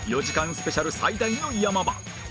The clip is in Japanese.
スペシャル最大の山場